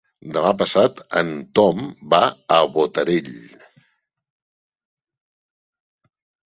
Demà passat en Tom va a Botarell.